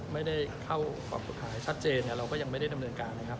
ไม่ได้เข้าขอบตัวขายชัดเจนเนี้ยเราก็ยังไม่ได้ดำเนินการนะครับ